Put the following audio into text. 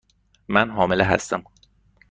من حامله هستم.